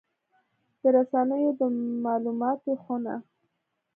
د رسنیو د مالوماتو خونه